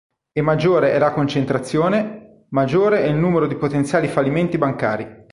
E maggiore è la concentrazione, maggiore è il numero di potenziali fallimenti bancari".